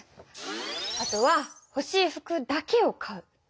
あとはほしい服だけを買う。